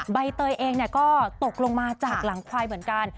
ใบเตยเองก็ตกลงมาจากหลังควายเหมือนกัน